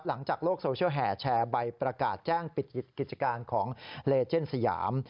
หลังจากโลกโซเชียลแห่แชร์ใบประกาศแจ้งปิดกิจการของเลเจนสยาม